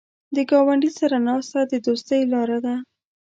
د ګاونډي سره ناسته د دوستۍ لاره ده